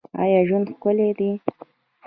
آیا ژوند ښکلی دی؟